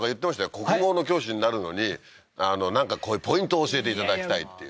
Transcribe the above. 国語の教師になるのになんかポイントを教えていただきたいっていう